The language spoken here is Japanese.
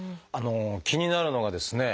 気になるのがですね